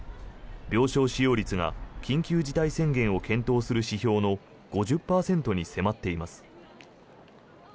病床使用率が緊急事態宣言を検討する指標の５０％に迫っています。